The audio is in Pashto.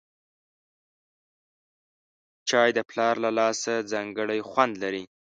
چای د پلار له لاسه ځانګړی خوند لري